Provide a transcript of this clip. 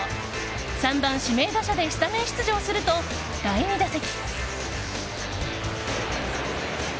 ３番指名打者でスタメン出場すると、第２打席。